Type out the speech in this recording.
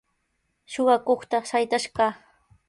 Suqakuqta saytash kaa.